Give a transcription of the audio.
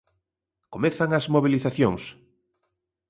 Comezan as mobilizacións.